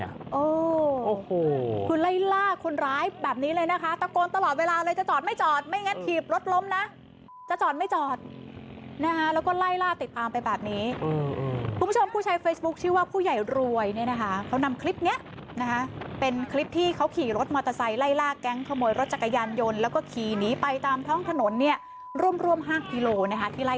โอ้โหคือไล่ล่าคนร้ายแบบนี้เลยนะคะตะโกนตลอดเวลาเลยจะจอดไม่จอดไม่งั้นถีบรถล้มนะจะจอดไม่จอดนะคะแล้วก็ไล่ล่าติดตามไปแบบนี้คุณผู้ชมผู้ใช้เฟซบุ๊คชื่อว่าผู้ใหญ่รวยเนี่ยนะคะเขานำคลิปเนี้ยนะคะเป็นคลิปที่เขาขี่รถมอเตอร์ไซค์ไล่ล่าแก๊งขโมยรถจักรยานยนต์แล้วก็ขี่หนีไปตามท้องถนนเนี่ยร่วมร่วม๕กิโลนะคะที่ไล่